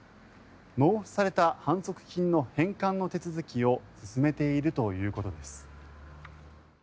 納付された反則金の返還の手続きを進めているということです。